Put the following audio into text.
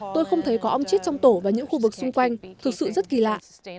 tôi không thấy có ông chết trong tổ và những khu vực xung quanh thực sự rất kỳ lạ